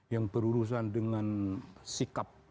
yang berurusan dengan sikap